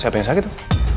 siapa yang sakit tuh